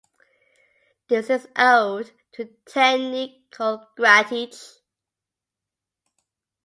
This is owed to a technique called grattage.